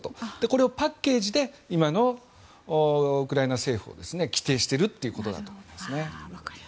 これをパッケージで今のウクライナ政府を規定しているということだと思います。